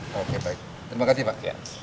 oke baik terima kasih pak